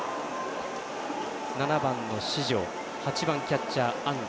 ７番の四條８番キャッチャー、安藤。